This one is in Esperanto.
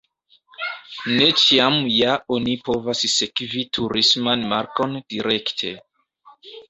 Ne ĉiam ja oni povas sekvi turisman markon direkte.